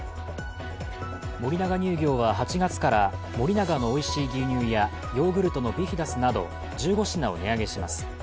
森永乳業は８月から森永のおいしい牛乳やヨーグルトのビヒダスなど１５品を値上げします。